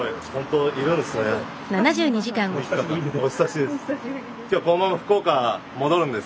お久しぶりです。